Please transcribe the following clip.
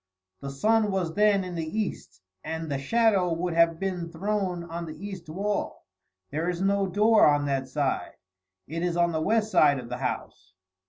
The sun was then in the east and the shadow would have been thrown on the east wall. There is no door on that side; it is on the west side of the house."